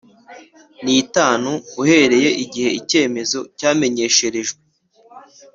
N itanu uhereye igihe icyemezo cyamenyesherejwe